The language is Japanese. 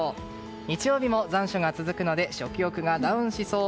日曜日も残暑が続くので食欲がダウンしそう。